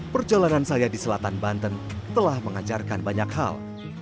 perjalanan saya di selatan banten telah mengajarkan banyak hal